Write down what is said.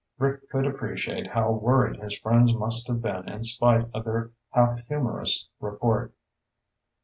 Rick could appreciate how worried his friends must have been in spite of their half humorous report.